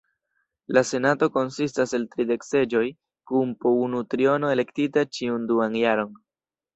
La Senato konsistas el tridek seĝoj, kun po unu triono elektita ĉiun duan jaron.